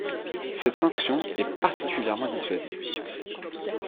Cette sanction est particulièrement dissuasive.